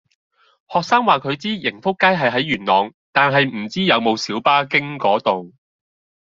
學生話佢知盈福街係喺元朗，但係唔知有冇小巴經嗰度